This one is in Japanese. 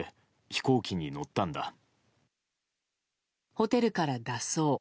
ホテルから脱走。